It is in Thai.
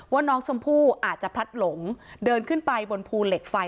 ว่าน้องชมพู่อาจจะพลัดหลงเดินขึ้นไปบนภูเหล็กไฟ